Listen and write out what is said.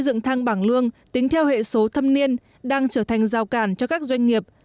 nhưng tăng bảng lương tính theo hệ số thâm niên đang trở thành rào cản cho các doanh nghiệp